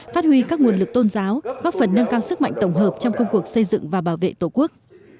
phát huy các nguồn lực tôn giáo góp phần nâng cao sức mạnh tổng hợp trong công cuộc xây dựng và bảo vệ tổ quốc